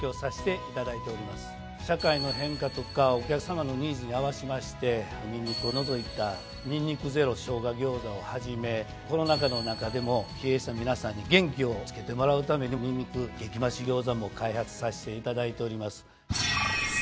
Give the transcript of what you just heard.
社会の変化とかお客さまのニーズに合わせましてニンニクを除いた「にんにくゼロ生姜餃子」をはじめコロナ禍の中でも疲弊した皆さんに元気をつけてもらうために「にんにく激増し餃子」も開発させていただいております。